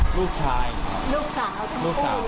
ลูกชายลูกสาวทั้งคู่เลย